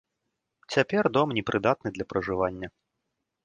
Цяпер дом не прыдатны для пражывання.